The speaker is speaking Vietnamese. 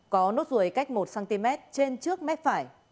có nốt ruồi cách một cm trên trước mép